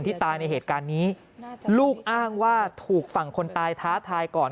ที่ตายในเหตุการณ์นี้ลูกอ้างว่าถูกฝั่งคนตายท้าทายก่อน